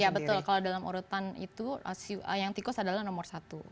ya betul kalau dalam urutan itu yang tikus adalah nomor satu